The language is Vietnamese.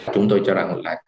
chúng tôi cho rằng là